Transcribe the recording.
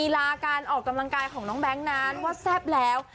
ลาการออกกำลังกายของน้องแบงค์นั้นว่าแซ่บแล้ว